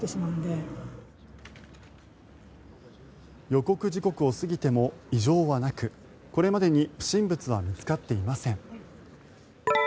予告時刻を過ぎても異常はなくこれまでに不審物は見つかっていません。